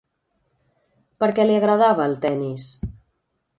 Per què li agradava el tenis?